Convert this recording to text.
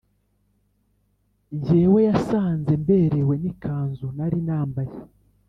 njyewe yasanze mberewe n’ikanzu nari nambaye